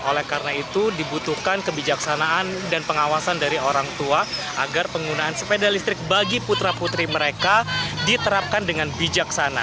oleh karena itu dibutuhkan kebijaksanaan dan pengawasan dari orang tua agar penggunaan sepeda listrik bagi putra putri mereka diterapkan dengan bijaksana